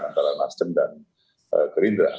antara nasdem dan gerindra